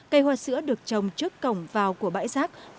cây hoa sữa được trồng trước cổng vào của bãi giác nam sơn